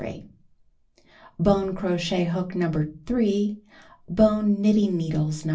Bone crochet hook No. 3. Bone knitting needles No.